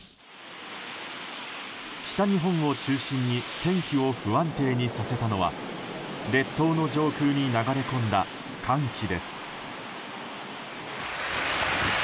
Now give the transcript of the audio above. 北日本を中心に天気を不安定にさせたのは列島の上空に流れ込んだ寒気です。